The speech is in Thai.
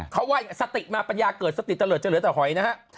เขาว่าอย่างนี้สติมาปัญญาเกิดสติตระเดิดจะเหลือแต่หอย